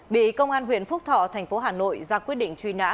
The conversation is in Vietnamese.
bị công an huyện phúc thọ thành phố hà nội ra quyết định truy nã